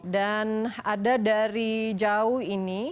dan ada dari jauh ini